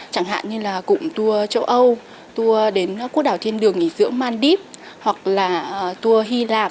chẳng hạn như là cụm tour châu âu tour đến quốc đảo thiên đường nghỉ dưỡng mandib hoặc là tour hy lạp